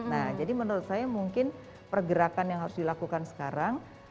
nah jadi menurut saya mungkin pergerakan yang harus dilakukan sekarang